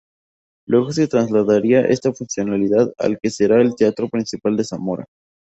Luego se trasladaría esta funcionalidad al que será el Teatro Principal de Zamora.